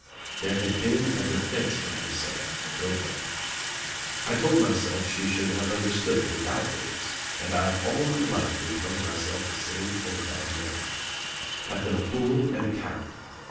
There had been a defense for himself built up. "I told myself she should have understood without words and I've all my life been telling myself the same thing about Mary. I've been a fool and a coward.